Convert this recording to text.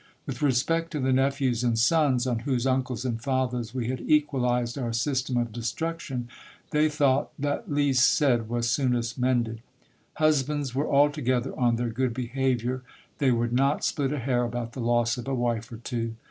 With respect to the nephews and sons, on whose uncles and fathers we had equalized our system of destruction, they thought that least said was soonest mended. Husbands were altogether on their good behaviour, they would not split a hair about the loss of a wife or two.